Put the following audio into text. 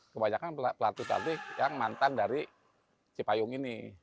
kebanyakan pelatih pelatih yang mantan dari cipayung ini